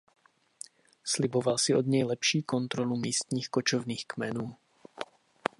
Sliboval si od něj lepší kontrolu místních kočovných kmenů.